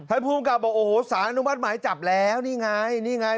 ภูมิกับบอกโอ้โหสารอนุมัติหมายจับแล้วนี่ไงนี่ไง